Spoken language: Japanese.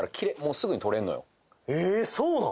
そうなん？